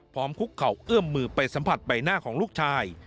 คุกเข่าเอื้อมมือไปสัมผัสใบหน้าของลูกชาย